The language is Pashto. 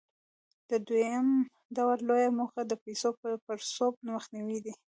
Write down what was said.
د دویم ډول لویه موخه د پیسو د پړسوب مخنیوى دی.